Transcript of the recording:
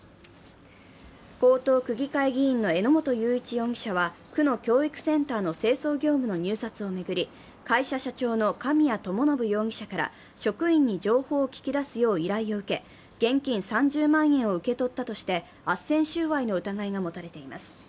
江東区議会議員の榎本雄一容疑者は区の教育センターの清掃業務の入札を巡り会社社長の神谷知伸容疑者から職員に情報を聞き出すよう依頼を受け、現金３０万円を受け取ったとしてあっせん収賄のうたがいが持たれています。